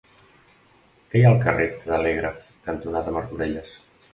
Què hi ha al carrer Telègraf cantonada Martorelles?